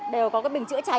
đều có cái bình trự cháy